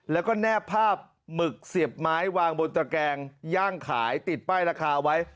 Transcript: แล้วก็แนบภาพหมึกเสียบไม้วางบนตระแกงย่างขายติดป้ายราคาไว้